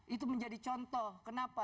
itu menjadi contoh kenapa